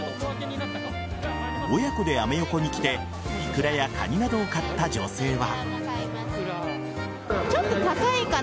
親子でアメ横に来てイクラやカニなどを買った女性は。